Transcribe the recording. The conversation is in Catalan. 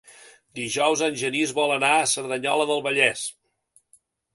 Dijous en Genís vol anar a Cerdanyola del Vallès.